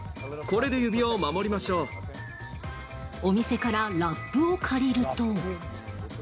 お店からラップを借りると。